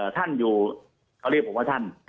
ท่านอยู่เขาเรียกผมว่าท่าน